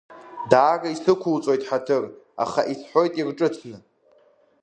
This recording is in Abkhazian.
Даара исықәуҵоит ҳаҭыр, аха исҳәоит ирҿыцны.